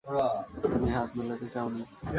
তুমি হাত মেলাতে চাওনি।